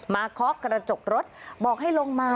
เคาะกระจกรถบอกให้ลงมา